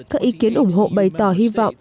các ý kiến ủng hộ bày tỏ hy vọng